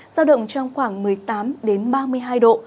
giao động trong khoảng một mươi tám ba mươi hai độ